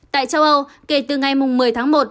tại châu âu kể từ ngày một mươi tháng một